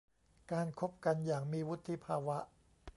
การคบกันอย่างมีวุฒิภาวะ